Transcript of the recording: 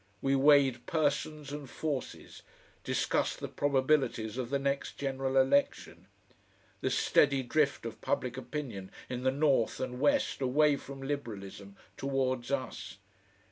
We weighed persons and forces, discussed the probabilities of the next general election, the steady drift of public opinion in the north and west away from Liberalism towards us.